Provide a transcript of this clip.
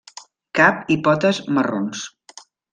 Cap i potes marrons.